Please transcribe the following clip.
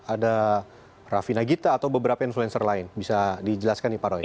ada raffi nagita atau beberapa influencer lain bisa dijelaskan nih pak roy